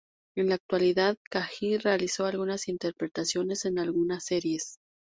En la actualidad, Kaji realizó algunas interpretaciones en algunas series.